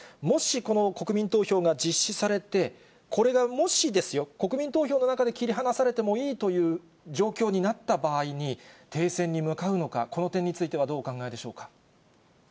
もし、この国民投票が実施されて、これがもしですよ、国民投票の中で切り離されてもいいという状況になった場合に、停戦に向かうのか、この点については、どうお考えでしょうか。